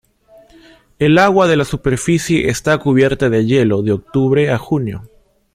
El agua de la superficie está cubierta de hielo de octubre a junio.